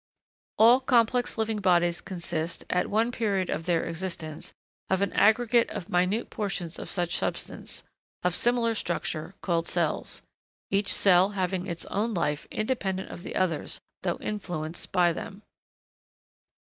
All complex living bodies consist, at one period of their existence, of an aggregate of minute portions of such substance, of similar structure, called cells, each cell having its own life independent of the others, though influenced by them.